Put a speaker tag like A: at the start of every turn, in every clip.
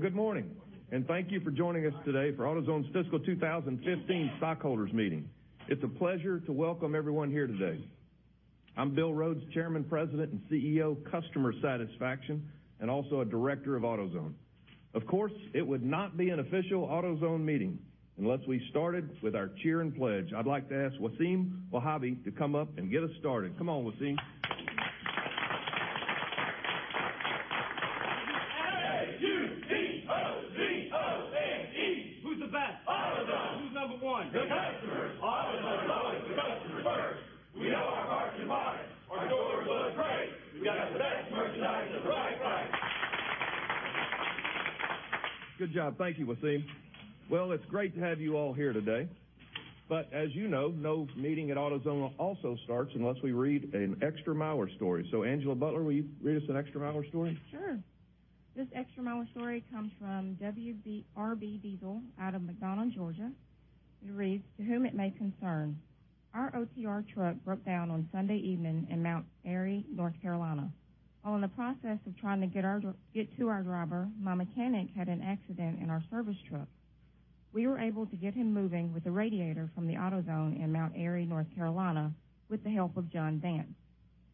A: Good morning, and thank you for joining us today for AutoZone's Fiscal 2015 stockholders meeting. It's a pleasure to welcome everyone here today. I'm Bill Rhodes, Chairman, President, and CEO, Customer Satisfaction, and also a Director of AutoZone. Of course, it would not be an official AutoZone meeting unless we started with our cheer and pledge. I'd like to ask Waseem Wahabi to come up and get us started. Come on, Waseem.
B: A-U-T-O-Z-O-N-E.
A: Who's the best?
B: AutoZone.
A: Who's number one?
B: The customers. AutoZone always put customers first. We know our parts. Our stores are great. We've got the best merchandise at the right price.
A: Good job. Thank you, Waseem. Well, it's great to have you all here today. As you know, no meeting at AutoZone also starts unless we read an extra-miler story. Angela Butler, will you read us an extra-miler story?
C: Sure. This extra-miler story comes from WRB Diesel out of McDonough, Georgia. It reads, "To whom it may concern. Our OTR truck broke down on Sunday evening in Mount Airy, North Carolina. While in the process of trying to get to our driver, my mechanic had an accident in our service truck. We were able to get him moving with a radiator from the AutoZone in Mount Airy, North Carolina, with the help of John Vance.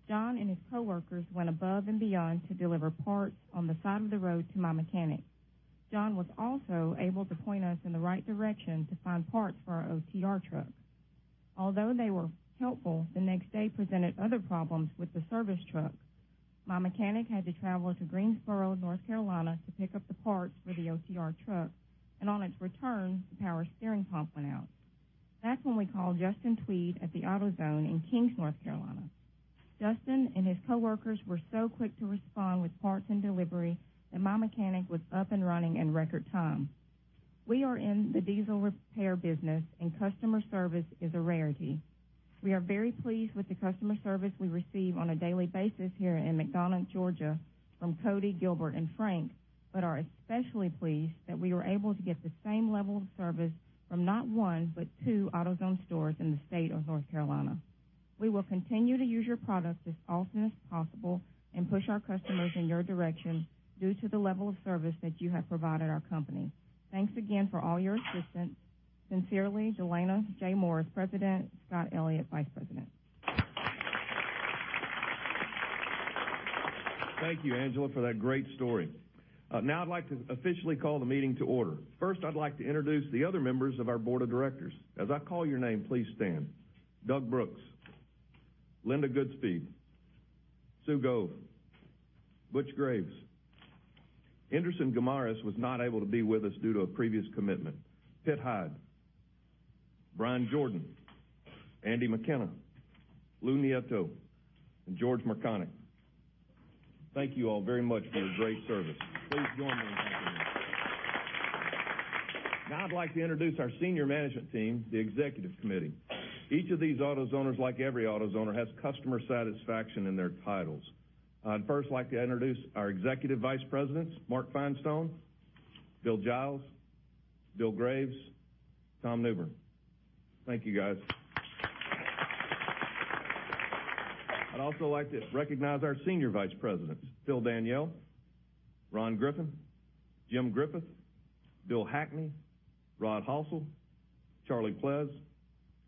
C: John and his coworkers went above and beyond to deliver parts on the side of the road to my mechanic. John was also able to point us in the right direction to find parts for our OTR truck. They were helpful, the next day presented other problems with the service truck. My mechanic had to travel to Greensboro, North Carolina, to pick up the parts for the OTR truck, and on its return, the power steering pump went out. That's when we called Justin Tweed at the AutoZone in King, North Carolina. Justin and his coworkers were so quick to respond with parts and delivery that my mechanic was up and running in record time. We are in the diesel repair business and customer service is a rarity. We are very pleased with the customer service we receive on a daily basis here in McDonough, Georgia, from Cody, Gilbert, and Frank, but are especially pleased that we were able to get the same level of service from not one, but two AutoZone stores in the State of North Carolina. We will continue to use your products as often as possible and push our customers in your direction due to the level of service that you have provided our company. Thanks again for all your assistance. Sincerely, Delana J. Morris, President, Scott Elliott, Vice President.
A: Thank you, Angela, for that great story. Now I'd like to officially call the meeting to order. First, I'd like to introduce the other members of our board of directors. As I call your name, please stand. Doug Brooks, Linda Goodspeed, Sue Gove, Butch Graves. Enderson Guimaraes was not able to be with us due to a previous commitment. Pitt Hyde, Brian Jordan, Andy McKenna, Lou Nieto, and George Mrkonic. Thank you all very much for your great service. Please join me in thanking them. Now I'd like to introduce our senior management team, the executive committee. Each of these AutoZoners, like every AutoZoner, has customer satisfaction in their titles. I'd first like to introduce our executive vice presidents, Mark Finestone, Bill Giles, Bill Graves, Tom Newbern. Thank you, guys. I'd also like to recognize our senior vice presidents, Phil Daniele, Ron Griffin, Jim Griffith, Bill Hackney, Rodney Halsell, Charlie Pleas,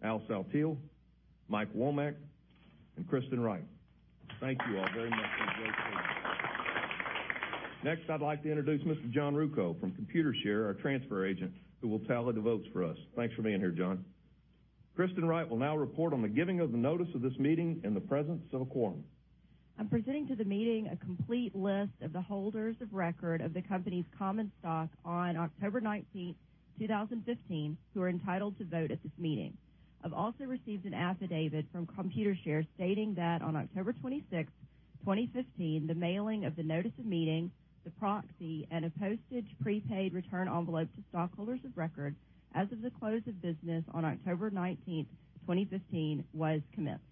A: Al Saltiel, Mike Womack, and Kristen Wright. Thank you all very much for your great service. Next, I'd like to introduce Mr. John Rukow from Computershare, our transfer agent, who will tally the votes for us. Thanks for being here, John. Kristen Wright will now report on the giving of the notice of this meeting and the presence of a quorum.
D: I'm presenting to the meeting a complete list of the holders of record of the company's common stock on October 19, 2015, who are entitled to vote at this meeting. I've also received an affidavit from Computershare stating that on October 26, 2015, the mailing of the notice of meeting, the proxy, and a postage prepaid return envelope to stockholders of record as of the close of business on October 19, 2015 was commenced.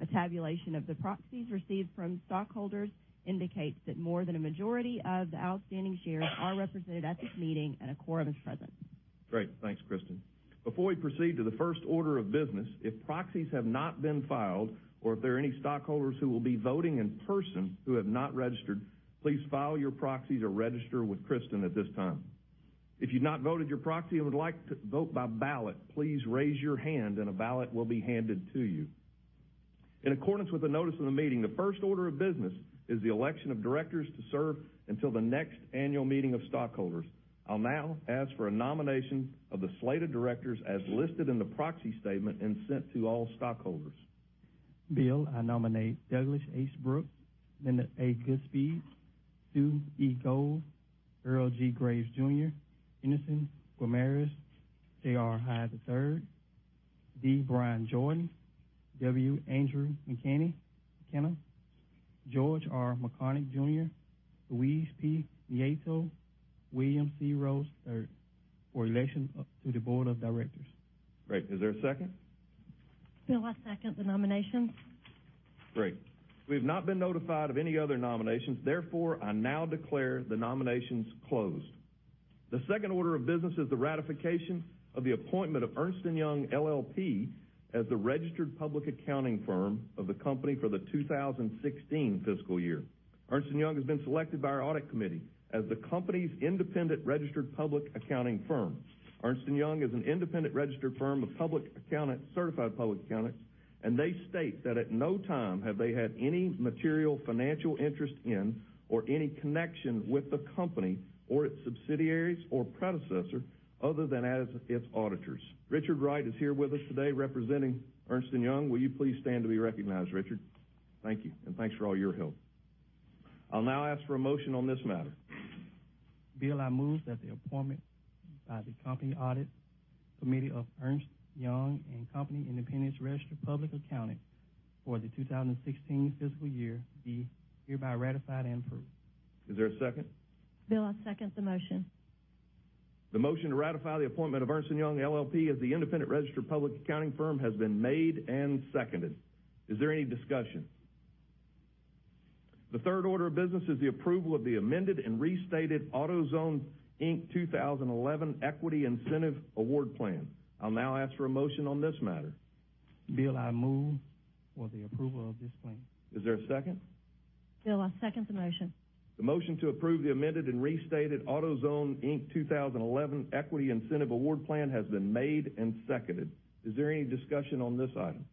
D: A tabulation of the proxies received from stockholders indicates that more than a majority of the outstanding shares are represented at this meeting and a quorum is present.
A: Great. Thanks, Kristen. Before we proceed to the first order of business, if proxies have not been filed or if there are any stockholders who will be voting in person who have not registered, please file your proxies or register with Kristen at this time. If you've not voted your proxy and would like to vote by ballot, please raise your hand and a ballot will be handed to you. In accordance with the notice of the meeting, the first order of business is the election of directors to serve until the next annual meeting of stockholders. I'll now ask for a nomination of the slate of directors as listed in the proxy statement and sent to all stockholders.
B: Bill, I nominate Douglas H. Brooks, Linda A. Goodspeed, Sue E. Gove, Earl G. Graves, Jr., Enderson Guimaraes, J.R. Hyde III, D. Bryan Jordan, W. Andrew McKenna, George R. Mrkonic, Jr., Luis P. Nieto, William C. Rhodes III, for election to the board of directors.
A: Great. Is there a second?
C: Bill, I second the nominations.
A: Great. We've not been notified of any other nominations. Therefore, I now declare the nominations closed. The second order of business is the ratification of the appointment of Ernst & Young LLP as the registered public accounting firm of the company for the 2016 fiscal year. Ernst & Young has been selected by our audit committee as the company's independent registered public accounting firm. Ernst & Young is an independent registered firm of certified public accountants, and they state that at no time have they had any material financial interest in or any connection with the company or its subsidiaries or predecessor other than as its auditors. Richard Wright is here with us today representing Ernst & Young. Will you please stand to be recognized, Richard? Thank you, and thanks for all your help. I'll now ask for a motion on this matter.
B: Bill, I move that the appointment by the company audit committee of Ernst & Young and Company Independents Registered Public Accounting for the 2016 fiscal year be hereby ratified and approved.
A: Is there a second?
D: Bill, I second the motion.
A: The motion to ratify the appointment of Ernst & Young LLP as the independent registered public accounting firm has been made and seconded. Is there any discussion? The third order of business is the approval of the amended and restated AutoZone, Inc. 2011 Equity Incentive Award Plan. I'll now ask for a motion on this matter.
B: Bill, I move for the approval of this plan.
A: Is there a second?
D: Bill, I second the motion.
A: The motion to approve the amended and restated AutoZone, Inc. 2011 Equity Incentive Award Plan has been made and seconded. Is there any discussion on this item?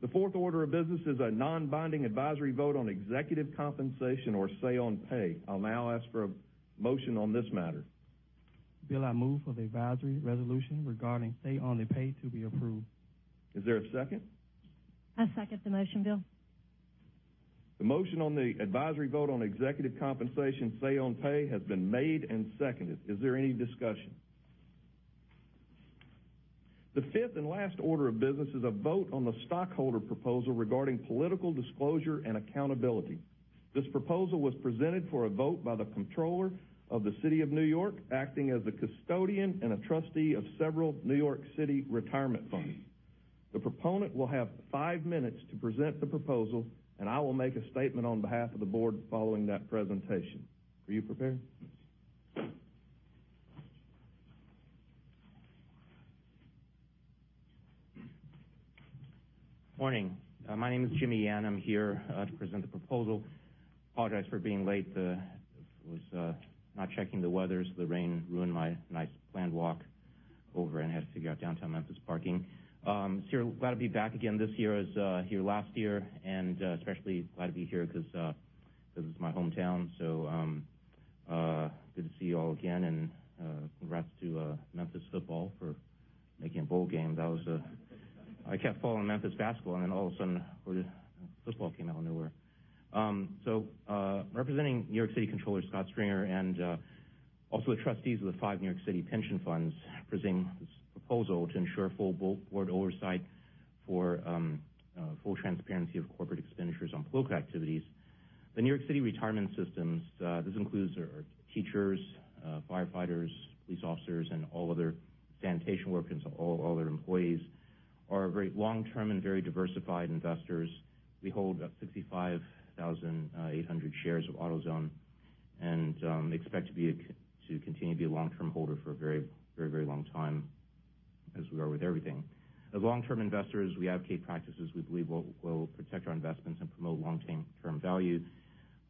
A: The fourth order of business is a non-binding advisory vote on executive compensation or say on pay. I'll now ask for a motion on this matter.
B: Bill, I move for the advisory resolution regarding say on pay to be approved.
A: Is there a second?
D: I second the motion, Bill.
A: The motion on the advisory vote on executive compensation say on pay has been made and seconded. Is there any discussion? The fifth and last order of business is a vote on the stockholder proposal regarding political disclosure and accountability. This proposal was presented for a vote by the Comptroller of the City of New York, acting as the custodian and a trustee of several New York City retirement funds. The proponent will have five minutes to present the proposal, and I will make a statement on behalf of the board following that presentation. Are you prepared?
E: Morning. My name is Jimmy Yan. I'm here to present the proposal. Apologize for being late. I was not checking the weather, the rain ruined my nice planned walk over and had to figure out downtown Memphis parking. Glad to be back again this year as here last year, especially glad to be here because this is my hometown, good to see you all again and congrats to Memphis football for making a bowl game. I kept following Memphis basketball, all of a sudden, football came out of nowhere. Representing New York City Comptroller Scott Stringer and also the trustees of the 5 New York City pension funds presenting this proposal to ensure full board oversight for full transparency of corporate expenditures on political activities. The New York City Retirement Systems, this includes our teachers, firefighters, police officers, and all other sanitation workers, all their employees are very long-term and very diversified investors. We hold 65,800 shares of AutoZone and expect to continue to be a long-term holder for a very long time, as we are with everything. As long-term investors, we advocate practices we believe will protect our investments and promote long-term value.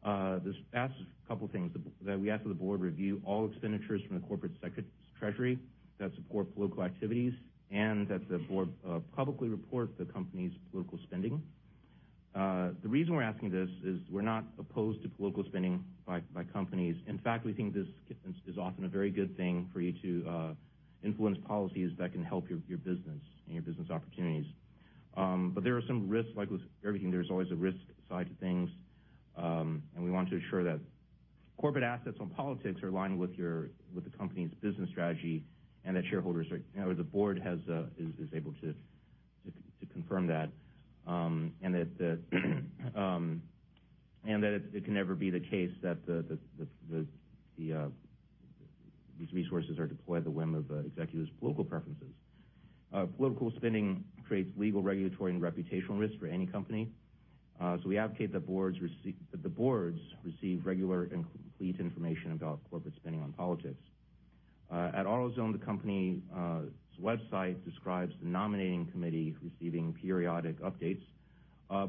E: There's a couple things that we ask for the board review all expenditures from the corporate treasury that support political activities and that the board publicly report the company's political spending. The reason we're asking this is we're not opposed to political spending by companies. In fact, we think this is often a very good thing for you to influence policies that can help your business and your business opportunities. There are some risks. Like with everything, there's always a risk side to things. We want to ensure that corporate assets on politics are aligned with the company's business strategy and that the board is able to confirm that, and that it can never be the case that these resources are deployed at the whim of an executive's political preferences. Political spending creates legal, regulatory, and reputational risk for any company. We advocate that the boards receive regular and complete information about corporate spending on politics. At AutoZone, the company's website describes the nominating committee receiving periodic updates.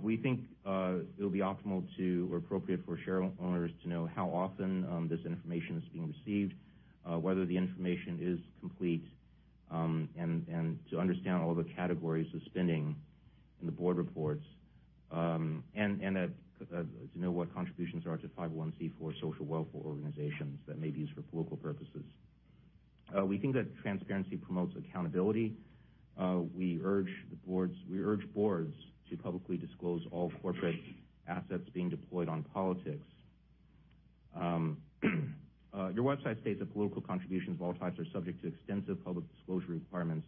E: We think it'll be optimal to or appropriate for shareholders to know how often this information is being received, whether the information is complete, and to understand all the categories of spending in the board reports, and to know what contributions are to 501(c)(4) social welfare organizations that may be used for political purposes. We think that transparency promotes accountability. We urge boards to publicly disclose all corporate assets being deployed on politics. Your website states that political contributions of all types are subject to extensive public disclosure requirements.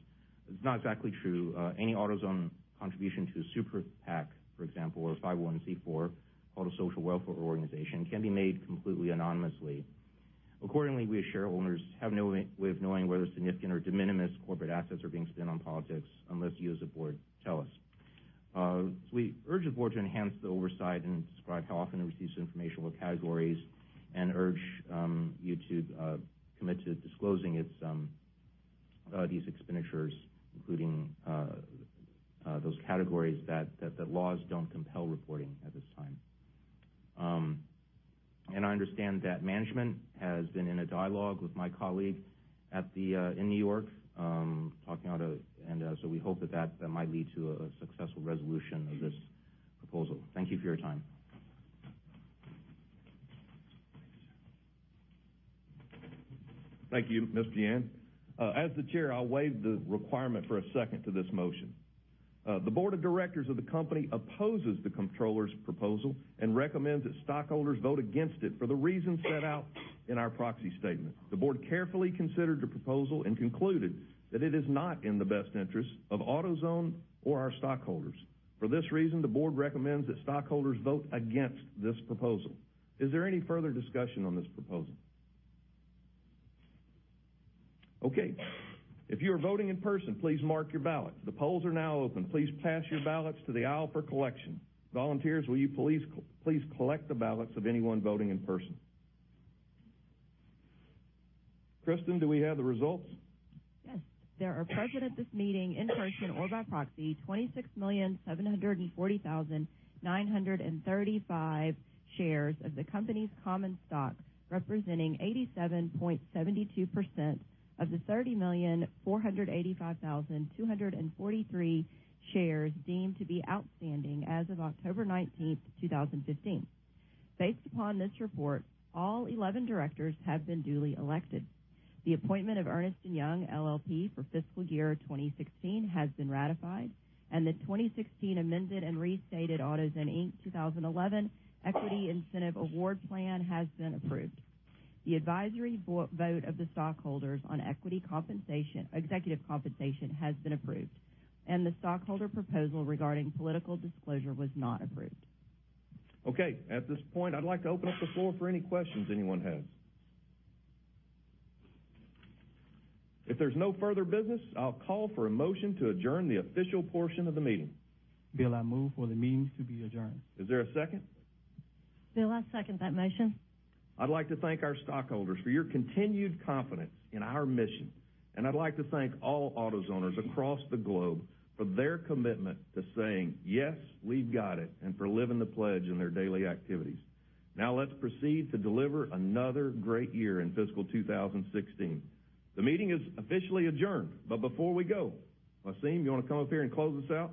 E: That's not exactly true. Any AutoZone contribution to a Super PAC, for example, or a 501(c)(4), called a social welfare organization, can be made completely anonymously. Accordingly, we as shareholders have no way of knowing whether significant or de minimis corporate assets are being spent on politics unless you as a board tell us. We urge the board to enhance the oversight and describe how often it receives information, what categories, and urge you to commit to disclosing these expenditures, including those categories that laws don't compel reporting at this time. I understand that management has been in a dialogue with my colleague in New York, talking out, so we hope that might lead to a successful resolution of this proposal. Thank you for your time.
A: Thank you, Mr. Yan. As the chair, I'll waive the requirement for a second to this motion. The board of directors of the company opposes the Comptroller's proposal and recommends that stockholders vote against it for the reasons set out in our proxy statement. The board carefully considered your proposal and concluded that it is not in the best interest of AutoZone or our stockholders. For this reason, the board recommends that stockholders vote against this proposal. Is there any further discussion on this proposal? Okay. If you are voting in person, please mark your ballot. The polls are now open. Please pass your ballots to the aisle for collection. Volunteers, will you please collect the ballots of anyone voting in person. Kristen, do we have the results?
D: Yes. There are present at this meeting, in person or by proxy, 26,740,935 shares of the company's common stock, representing 87.72% of the 30,485,243 shares deemed to be outstanding as of October 19th, 2015. Based upon this report, all 11 directors have been duly elected. The appointment of Ernst & Young LLP for fiscal year 2016 has been ratified, the 2016 amended and restated AutoZone, Inc. 2011 Equity Incentive Award Plan has been approved. The advisory vote of the stockholders on executive compensation has been approved, the stockholder proposal regarding political disclosure was not approved.
A: Okay, at this point, I'd like to open up the floor for any questions anyone has. If there's no further business, I'll call for a motion to adjourn the official portion of the meeting.
B: Bill, I move for the meeting to be adjourned.
A: Is there a second?
D: Bill, I second that motion.
A: Now let's proceed to deliver another great year in fiscal 2016. The meeting is officially adjourned, but before we go, Waseem, you want to come up here and close us out?